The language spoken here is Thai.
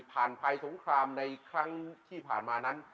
ภัยสงครามในครั้งที่ผ่านมานั้น